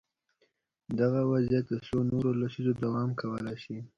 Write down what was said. دغه وضعیت د څو نورو لسیزو دوام کولای شي.